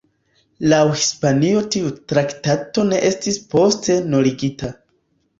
Laŭ Hispanio tiu traktato ne estis poste nuligita.